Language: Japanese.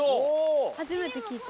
はじめて聞いた。